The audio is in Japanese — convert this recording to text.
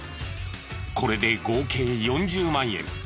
これで合計４０万円。